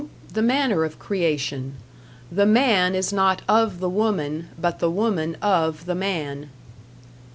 (2) The manner of creation. The man is not of the woman, but the woman of the man.